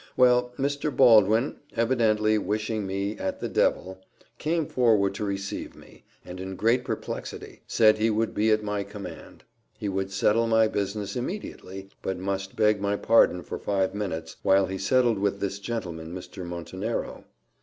Well, Mr. Baldwin, evidently wishing me at the devil, came forward to receive me, and, in great perplexity, said he would be at my command; he would settle my business immediately; but must beg my pardon for five minutes, while he settled with this gentleman, Mr. Montenero.